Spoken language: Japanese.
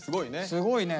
すごいね。